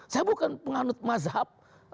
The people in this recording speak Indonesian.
saya bukan penganut mazhab